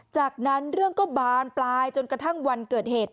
จากนั้นเรื่องก็บานปลายจนกระทั่งวันเกิดเหตุ